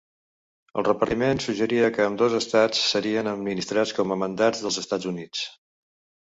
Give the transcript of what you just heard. El repartiment suggeria que ambdós estats serien administrats com a mandats dels Estats Units.